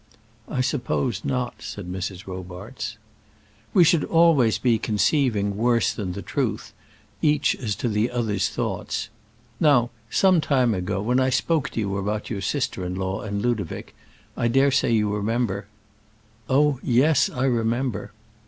"I suppose not," said Mrs. Robarts. "We should always be conceiving worse than the truth, each as to the other's thoughts. Now, some time ago, when I spoke to you about your sister in law and Ludovic I daresay you remember " "Oh, yes, I remember."